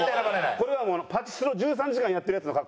これはもうパチスロ１３時間やってるヤツの格好です。